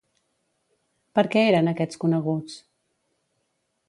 Per què eren aquests coneguts?